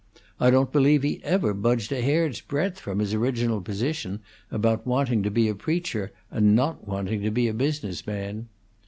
I don't believe he ever budged a hairs breadth from his original position about wanting to be a preacher and not wanting to be a business man.